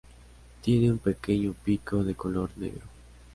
Tiene un pequeño pico de color negro.